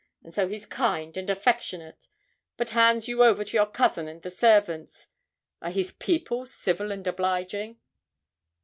And so he's kind and affectionate, but hands you over to your cousin and the servants. Are his people civil and obliging?'